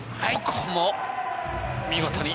ここも見事に。